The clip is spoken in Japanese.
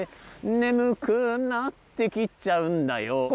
「眠くなってきちゃうんだよ」